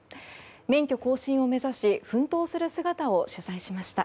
免許更新を目指し奮闘する姿を取材しました。